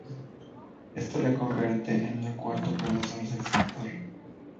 Esto la convierte en el cuarto proveedor del sector.